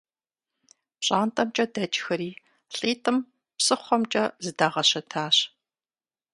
ПщӀантӀэмкӀэ дэкӀхэри лӀитӀым псыхъуэмкӀэ зыдагъэщэтащ.